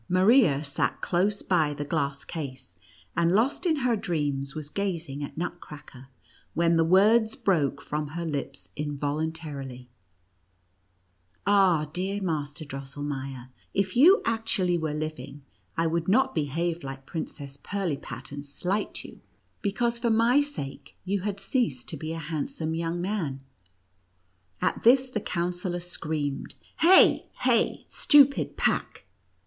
Maria sat close by the glass case, and, lost in her dreams, was gazing at Nutcracker, when the words broke from her lips involuntarily : "Ah, dear Master Drosselmeier, if you actually NUTCRACKER AND MOUSE KING . 135 were living, I would not behave like Princess Piriipat, and slight you, because for my sake you had ceased to be a handsome young man !" At this, the Counsellor screamed: "Hey — hey — stupid pack!"